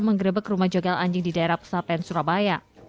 menggerebek rumah jogel anjing di daerah pesapen surabaya